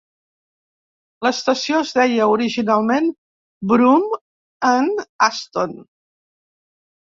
L'estació es deia originalment "Broom and Aston".